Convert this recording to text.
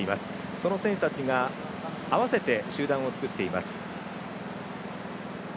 その選手たちが合わせて集団を作っています。